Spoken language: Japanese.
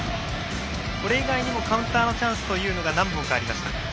これ以外にもカウンターのチャンスというのが何本かありました。